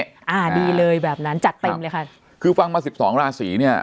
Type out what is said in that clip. อ่าดีเลยแบบนั้นจัดเต็มเลยค่ะคือฟังมาสิบสองราศีเนี้ย